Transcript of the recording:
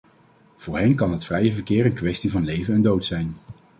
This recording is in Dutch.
Voor hen kan het vrije verkeer een kwestie van leven en dood zijn.